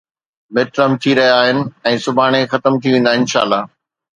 midterm ٿي رهيا آهن ۽ سڀاڻي ختم ٿي ويندا، انشاء الله